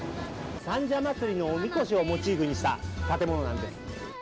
三社祭のおみこしをモチーフにした建物なんです。